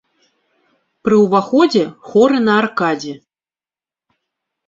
Пры ўваходзе хоры на аркадзе.